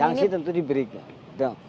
sangsi tentu diberikan